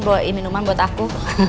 bawa minuman buat aku